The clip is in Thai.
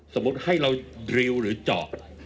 สมมุติให้เราริวหรือเจาะ